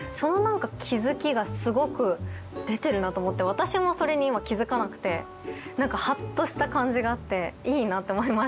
私もそれに今気づかなくて何かハッとした感じがあっていいなって思いました。